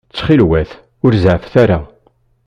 Ttxil-wet, ur zeɛɛfet ara.